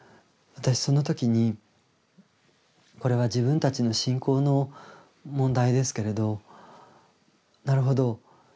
私その時にこれは自分たちの信仰の問題ですけれどなるほど。